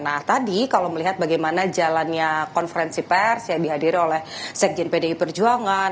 nah tadi kalau melihat bagaimana jalannya konferensi pers yang dihadiri oleh sekjen pdi perjuangan